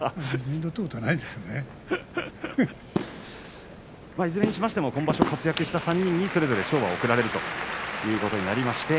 いずれにしましても今場所活躍した３人に賞が贈られるということになります。